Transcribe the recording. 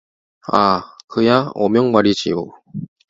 아, 그야 어명 말이지요